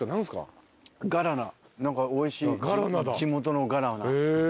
何かおいしい地元のガラナ。